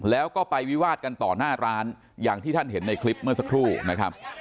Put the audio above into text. แล้วก็ไปวิวาดกันต่อหน้าร้านอย่างที่ท่านเห็นในคลิปเมื่อสักครู่นะครับ